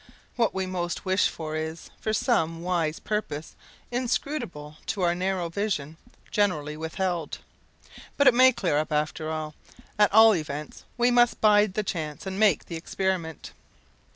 "What we most wish for is, for some wise purpose inscrutable to our narrow vision, generally withheld. But it may clear up after all. At all events, we must bide the chance and make the experiment."